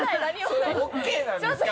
それＯＫなんですか？